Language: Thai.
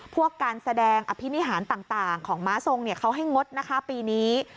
พวกการแสดงอภินิหารต่างของม้าทรงเขาให้งดนะคะปีนี้